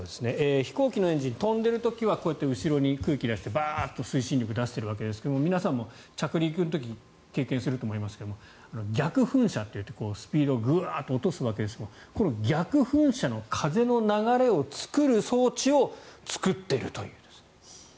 飛行機のエンジン飛んでいる時は後ろにこうやって空気を出して、バーッと推進力を出しているわけですが皆さんも着陸の時経験すると思いますが、逆噴射でスピードをグワーッと落とすわけですがこの逆噴射の風の流れを作る装置を作っているという。